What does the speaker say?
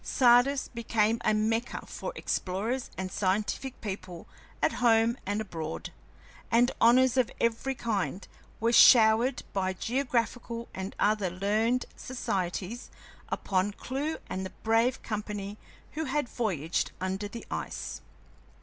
Sardis became a Mecca for explorers and scientific people at home and abroad, and honors of every kind were showered by geographical and other learned societies upon Clewe and the brave company who had voyaged under the ice.